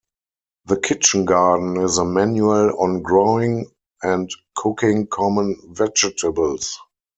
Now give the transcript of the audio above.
The "Kitchen Garden" is a manual on growing and cooking common vegetables.